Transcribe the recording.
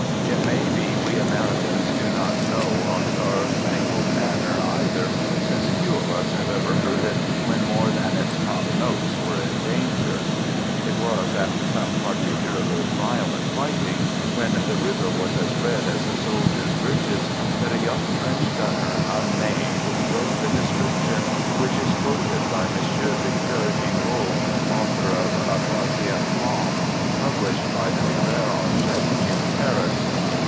It may be we Americans do not know our Star Spangled Ban ner either, since few of us have ever heard it when more than its top notes were in danger. It was after some particularly violent fighting, when " the river was as red as the soldiers' breeches," that a young French gunner, unnamed, wrote the description which is quoted by M. Victor Giraud, author of 0 La troisieme France," published by the Librairie Hachette in Paris.